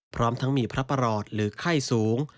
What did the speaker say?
พร้อมทั้งมีพระประหลอดหรือไข้สูง